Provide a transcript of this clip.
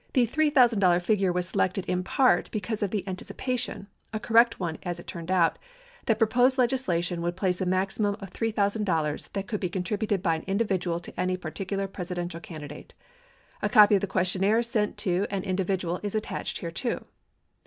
The $3,000 figure was selected in part because of the anticipation — a correct one, it turned out — that proposed legislation would place a maximum of $3,000 that could be contributed by an individual to any particular Presidential candidate. A copy of the questionnaire sent to an indi vidual is attached hereto.